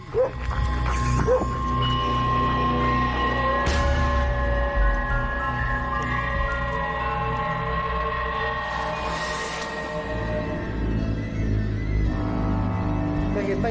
สวัสดีครับทุกคน